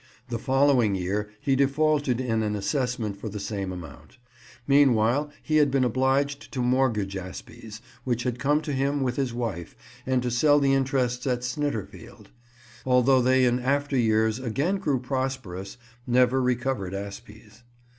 The following year he defaulted in an assessment for the same amount. Meanwhile, he had been obliged to mortgage Asbies, which had come to him with his wife, and to sell the interests at Snitterfield. The Shakespeares, although they in after years again grew prosperous, never recovered Asbies.